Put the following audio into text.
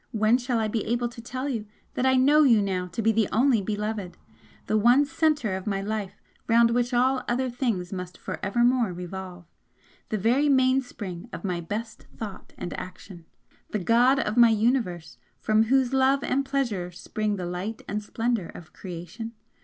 When shall I be able to tell you that I know you now to be the only Beloved! the one centre of my life round which all other things must for evermore revolve, the very mainspring of my best thought and action, the god of my universe from whose love and pleasure spring the light and splendour of creation!